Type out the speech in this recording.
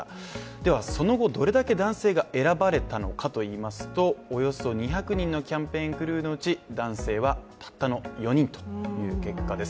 ではその後、どれだけ男性が選ばれたのかといいますと、およそ２００人のキャンペーンクルーのうち男性はたったの４人という結果です。